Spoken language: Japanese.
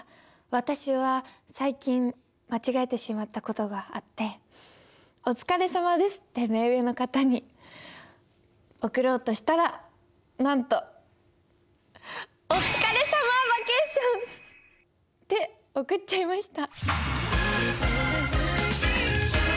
私は最近間違えてしまった事があって「お疲れさまです」って目上の方に送ろうとしたらなんとって送っちゃいました。